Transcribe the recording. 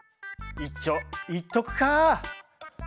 いっちょ行っとくカァ。